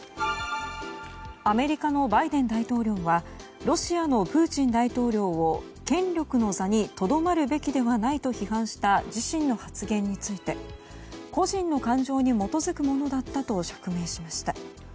アメリカのバイデン大統領はロシアのプーチン大統領を権力の座にとどまるべきではないと批判した自身の発言について個人の感情に基づくものだったと釈明しました。